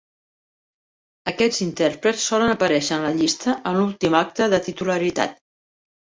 Aquests intèrprets solen aparèixer en la llista amb l'últim acte de titularitat.